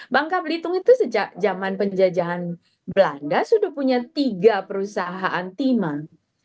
bangka belitung itu sejak zaman penjajahan belanda sudah punya tiga perusahaan timun